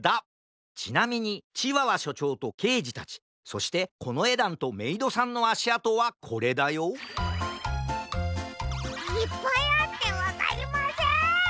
ちなみにチワワしょちょうとけいじたちそしてこのえだんとメイドさんのあしあとはこれだよいっぱいあってわかりません！